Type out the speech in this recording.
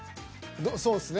そうっすね